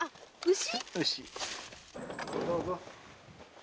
牛。